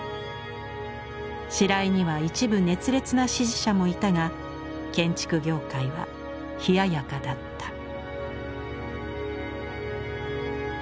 白井には一部熱烈な支持者もいたが建築業界は冷ややかだった。